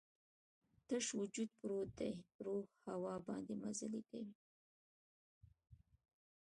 تش وجود پروت دی، روح هوا باندې مزلې کوي